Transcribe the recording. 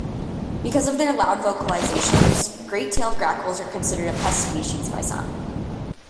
Because of their loud vocalizations, great-tailed grackles are considered a pest species by some.